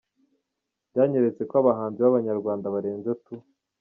Byanyeretse ko abahanzi b’abanyarwanda barenze tu.